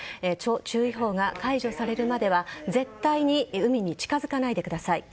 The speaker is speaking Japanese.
注意報が解除されるまでは絶対に海に近づかないでください。